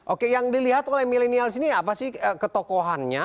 oke yang dilihat oleh milenial sini apa sih ketokohannya